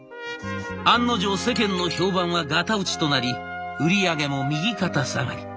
案の定世間の評判はがた落ちとなり売り上げも右肩下がり。